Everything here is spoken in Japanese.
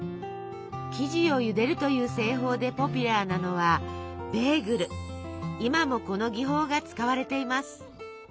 生地をゆでるという製法でポピュラーなのは今もこの技法が使われています。